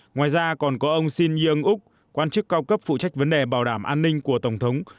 ngoài ra còn có ông shinyung úc quan chức cao cấp phụ trách vấn đề bảo đảm an ninh của tổng thống